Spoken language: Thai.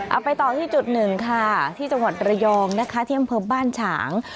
เอาไปต่อที่จุดหนึ่งค่ะที่จังหวัดระยองนะคะที่อำเภอบ้านฉาง